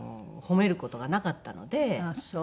あっそう。